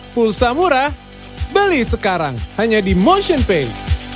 pulsa murah beli sekarang hanya di motionpay